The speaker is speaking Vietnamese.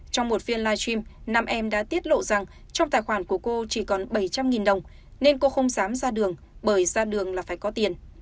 trong một phiên live stream nam em đã tiết lộ rằng trong tài khoản của cô chỉ còn bảy trăm linh đồng nên cô không dám ra đường bởi ra đường là phải có tiền